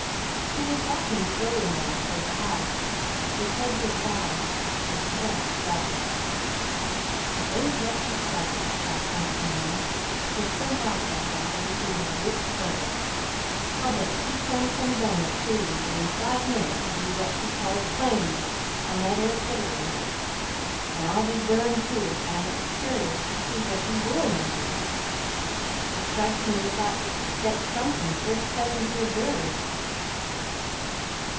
He was walking slowly now toward the house. His head was bowed. His step lagged. "Now, ain't that jest like that chap," muttered the man, "ter slink off like that as if he was a whipped cur. I'll bet two cents an' a doughnut, too, that in five minutes he'll be what he calls 'playin' it' on that 'ere fiddle o' his. An' I'll be derned, too, if I ain't curious ter see what he WILL make of it. It strikes me this ought ter fetch somethin' first cousin to a dirge!"